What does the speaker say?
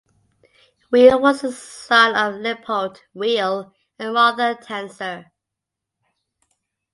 Weil was the son of Leopold Weil and Martha Tanzer.